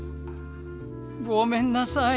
ごめんなさい。